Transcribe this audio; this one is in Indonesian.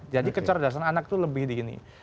jadi kecerdasan anak tuh lebih di ini